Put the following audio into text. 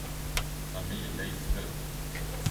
Sami yella yesleb.